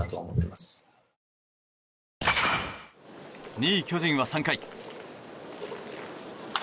２位、巨人は３回。